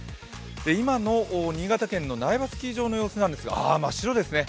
今の新潟県の苗場スキー場の様子ですが、真っ白ですね。